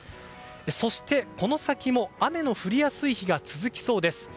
そして、この先も雨の降りやすい日が続きそうです。